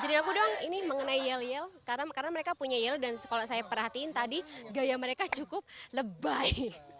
aku dong ini mengenai yel yel karena mereka punya yel dan kalau saya perhatiin tadi gaya mereka cukup lebay